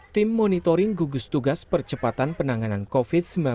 tim monitoring gugus tugas percepatan penanganan covid sembilan belas